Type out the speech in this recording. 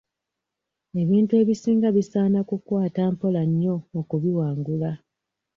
Ebintu ebisinga bisaana kukwata mpola nnyo okubiwangula.